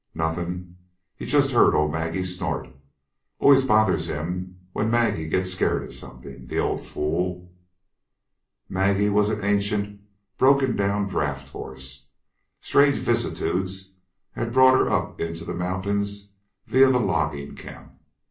"Nothin', He just heard ol' Maggie snort. Always bothers him when Maggie gets scared of something the old fool!" Maggie was an ancient, broken down draft horse. Strange vicissitudes had brought her up into the mountains via the logging camp.